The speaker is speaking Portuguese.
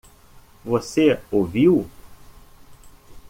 Você o viu?